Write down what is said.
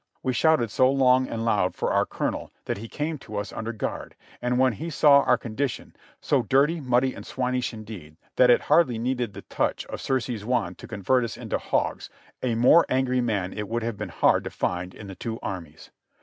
We shouted so long and loud for our colonel, that he came to us under guard, and when he saw our condition — so dirty, muddy and swinish indeed, that it hardly needed the touch of Circe's wand to con vert us into hogs, a more angry man it would have been hard to find in the two armies.